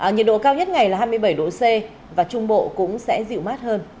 nhiệt độ cao nhất ngày là hai mươi bảy độ c và trung bộ cũng sẽ dịu mát hơn